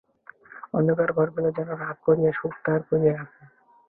অন্ধকার ঘরগুলি যেন রাগ করিয়া মুখ ভার করিয়া আছে।